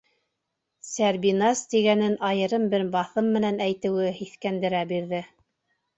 «Сәрбиназ» тигәнен айырым бер баҫым менән әйтеүе һиҫкәндерә бирҙе.